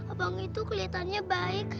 abang itu kelihatannya baik